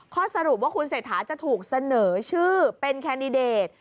ข้อสรุปว่าคุณเศรษฐาจะถูกเสนอชื่อเป็นแคนดิเดต